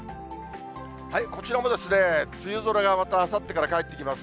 こちらも梅雨空がまたあさってからかえってきます。